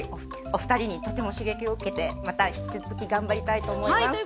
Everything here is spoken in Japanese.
お二人にとても刺激を受けてまた引き続き頑張りたいと思います。